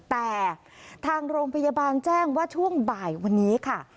แต่ทางโรงพยาบาลแจ้งว่าช่วงบ่ายวันนี้ค่ะ